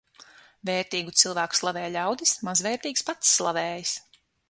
Vērtīgu cilvēku slavē ļaudis, mazvērtīgs pats slavējas.